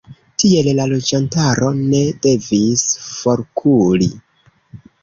Tiel la loĝantaro ne devis forkuri.